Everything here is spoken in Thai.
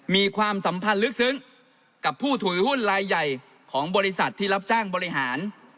ความสัมพันธ์ลึกซึ้งกับผู้ถือหุ้นลายใหญ่ของบริษัทที่รับจ้างบริหาร